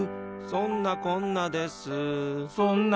そんなこんなです